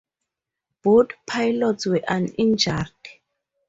Both pilots were uninjured.